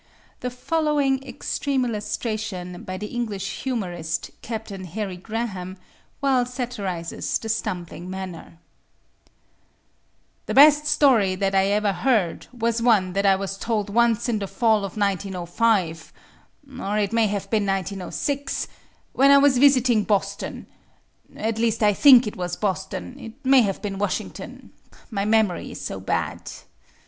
The following extreme illustration, by the English humorist, Captain Harry Graham, well satirizes the stumbling manner: The best story that I ever heard was one that I was told once in the fall of 1905 (or it may have been 1906), when I was visiting Boston at least, I think it was Boston; it may have been Washington (my memory is so bad).